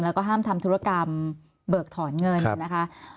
แล้วก็ห้ามทำธุรกรรมเบิกถอนเงินนะคะ